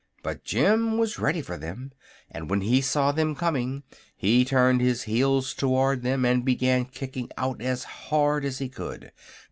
But Jim was ready for them, and when he saw them coming he turned his heels toward them and began kicking out as hard as he could.